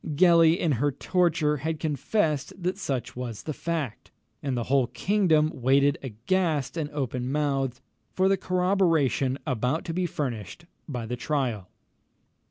Gellie, in her torture, had confessed that such was the fact, and the whole kingdom waited aghast and open mouthed for the corroboration about to be furnished by the trial.